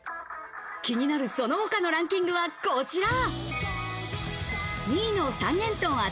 気になるその他のランキングはこちら。